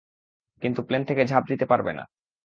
কিন্তু, প্লেন থেকে ঝাঁপ দিতে পারব না!